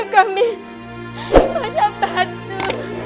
kami terpaksa membantu